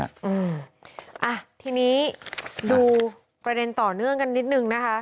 อ่ะทีนี้ดูประเด็นต่อเนื่องกันนิดนึงนะคะ